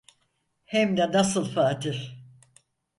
Hem de nasıl Fatih…